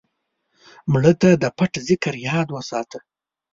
مړه ته د پټ ذکر یاد وساته